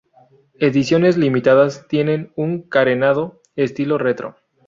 Ediciones limitadas tienen un carenado estilo "retro".